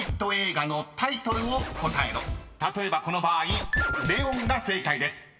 ［例えばこの場合「レオン」が正解です］